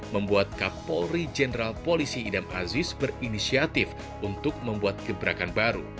membuat kapolri jenderal polisi idam aziz berinisiatif untuk membuat gebrakan baru